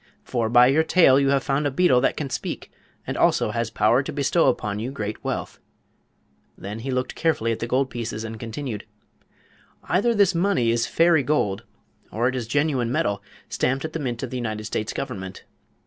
For by your tale you have found a beetle that can speak and also has power to bestow upon you great wealth." Then he looked carefully at the gold pieces and continued: "Either this money is fairy gold or it is genuine metal, stamped at the mint of the United States government.